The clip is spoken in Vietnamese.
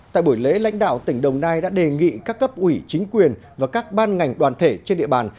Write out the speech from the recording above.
tại buổi lễ lãnh đạo tỉnh đồng nai đã đề nghị các cấp ủy chính quyền và các ban ngành đoàn thể trên địa bàn